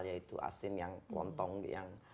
yaitu asin yang lontong yang